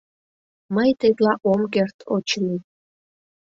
Мый тетла ом керт, очыни...